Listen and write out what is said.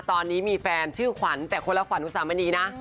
ตอนนี้มีแฟนชื่อขวัญแต่คนละขวัญอุสามณีนะ